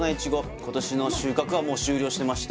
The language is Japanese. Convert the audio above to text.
「今年の収穫はもう終了してまして」